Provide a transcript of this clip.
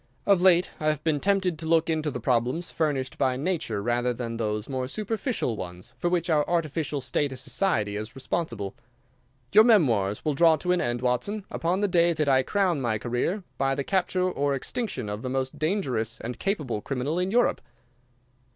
Of late I have been tempted to look into the problems furnished by nature rather than those more superficial ones for which our artificial state of society is responsible. Your memoirs will draw to an end, Watson, upon the day that I crown my career by the capture or extinction of the most dangerous and capable criminal in Europe."